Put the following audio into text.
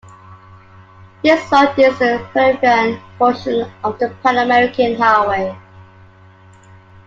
This road is the Peruvian portion of the Pan-American Highway.